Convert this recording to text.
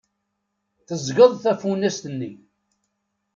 Teẓẓgeḍ tafunast-nni.